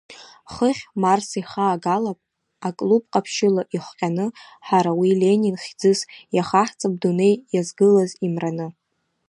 Хыхь Марс ихаагалап аклуб-ҟаԥшьыла ихҟьаны ҳара уи Ленин хьӡыс иахаҳҵап дунеи иазгылаз имраны.